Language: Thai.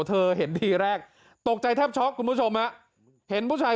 เธอเห็นทีแรกตกใจแทบช็อกคุณผู้ชมฮะเห็นผู้ชาย